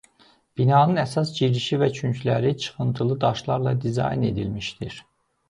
Binanın əsas girişi və küncləri çıxıntılı daşlarla dizayn edilmişdir.